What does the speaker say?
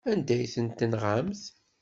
Anda ay tent-tenɣamt?